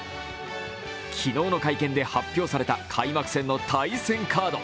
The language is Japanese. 昨日の会見で発表された開幕戦の対戦カード。